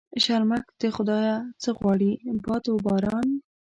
شرمښ د خدا يه څه غواړي ؟ باد و باران.